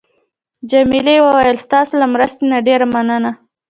جميلې وويل: ستاسو له مرستې نه ډېره مننه.